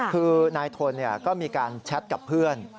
คือนายทนก็มีการแชทกับเพื่อน